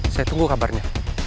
saya tunggu kabarnya